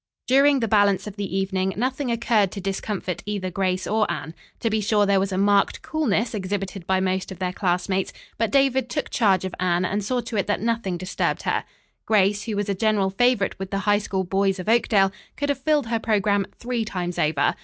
During the balance of the evening nothing occurred to discomfit either Grace or Anne. To be sure there was a marked coolness exhibited by most of their classmates, but David took charge of Anne and saw to it that nothing disturbed her. Grace, who was a general favorite with the High School boys of Oakdale, could have filled her programme three times over.